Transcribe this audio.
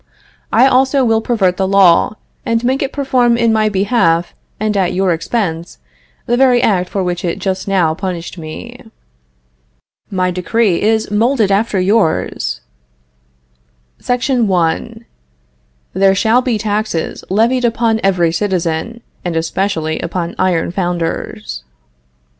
I also will pervert the law, and make it perform in my behalf and at your expense the very act for which it just now punished me. My decree is modeled after yours: SECTION 1. There shall be taxes levied upon every citizen, and especially upon iron founders.